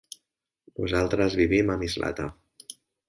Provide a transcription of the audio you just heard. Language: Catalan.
Nosaltres vivim a Mislata.